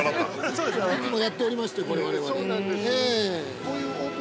いつもやっておりまして、これを我々。